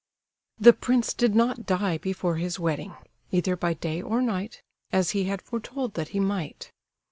The prince did not die before his wedding—either by day or night, as he had foretold that he might.